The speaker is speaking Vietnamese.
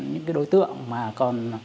những cái đối tượng mà còn